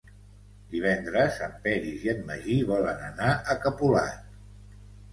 Divendres en Peris i en Magí volen anar a Capolat.